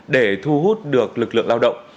để thu hút được lực lượng lao động